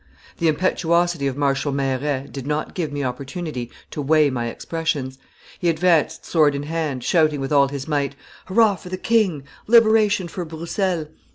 The impetuosity of Marshal Meilleraye did not give me opportunity to weigh my expressions; he advanced sword in hand, shouting with all his might, 'Hurrah for the king! Liberation for Broussel!